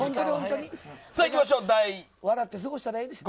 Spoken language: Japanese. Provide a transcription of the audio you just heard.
笑って過ごしたらええで。